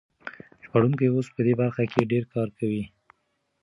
ژباړونکي اوس په دې برخه کې ډېر کار کوي.